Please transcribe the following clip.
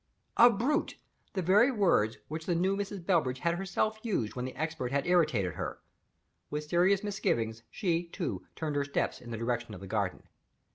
"A brute!" The very words which the new Mrs. Bellbridge had herself used when the Expert had irritated her. With serious misgivings, she, too, turned her steps in the direction of the garden.